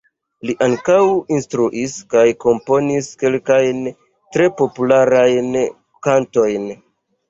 Li ankaŭ instruis kaj komponis kelkajn tre popularajn kantojn.